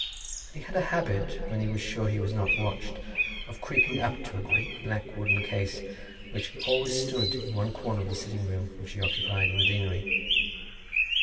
And he had a habit, when he was sure that he was not watched, of creeping up to a great black wooden case, which always stood in one corner of the sitting room which he occupied in the deanery.